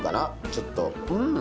ちょっとうん！